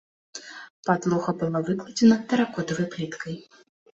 Падлога была выкладзена тэракотавай пліткай.